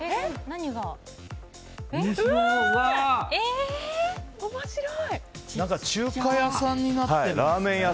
何か中華屋さんになってる。